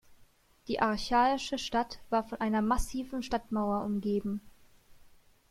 Die archaische Stadt war von einer massiven Stadtmauer umgeben.